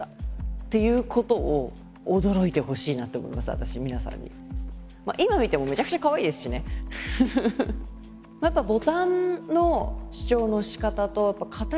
私皆さんに今見てもめちゃくちゃかわいいですしねやっぱボタンの主張の仕方とあとやっぱ形？